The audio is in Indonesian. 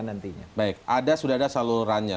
nantinya baik ada sudah ada salurannya